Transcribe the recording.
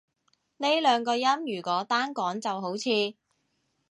呢兩個音如果單講就好似